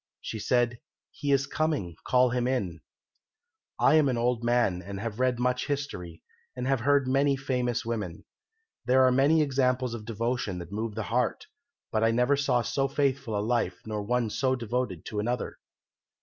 She said, "He is coming; call him in." "'I am an old man and have read much history, and have heard of many famous women. There are many examples of devotion that move the heart, but I never saw so faithful a life nor one so devoted to another.